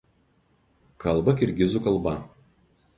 Kalba kirgizų kalba.